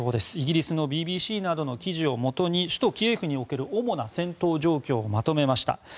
イギリスのＢＢＣなどの記事をもとに首都キエフにおける主な戦闘状況をまとめました。